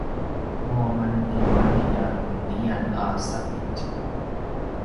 nua maretimalji a vinlian a sapitj